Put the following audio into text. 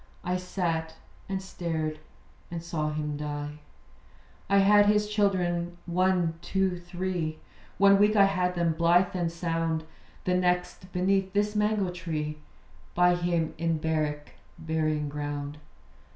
I sat, and stared, and saw him die. I had his children one, two, three. One week I had them, blithe and sound. The next beneath this mango tree, By him in barrack burying ground.